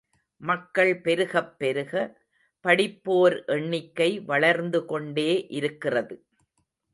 மக்கள் பெருகப் பெருக, படிப்போர் எண்ணிக்கை வளர்ந்துகொண்டே இருக்கிறது.